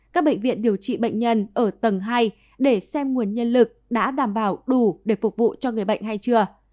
các bệnh viện điều trị bệnh nhân ở tầng hai để xem nguồn nhân lực đã đảm bảo đủ để phục vụ cho người bệnh hay chưa